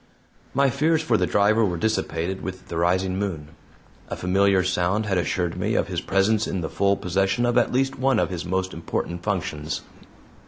My fears for the driver were dissipated with the rising moon. A familiar sound had assured me of his presence in the full possession of at least one of his most important functions.